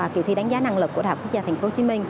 kỳ thi đánh giá năng lực của đại học quốc gia tp hcm